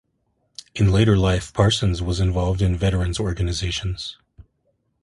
In later life, Parsons was involved in veterans organizations.